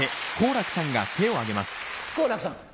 好楽さん。